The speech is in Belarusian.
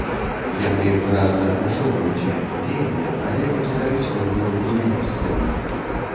Яны выразна абмяжоўваюць месца дзеяння, але пакідаюць пэўную глыбіню сцэны.